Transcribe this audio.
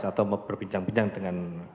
atau berbincang bincang dengan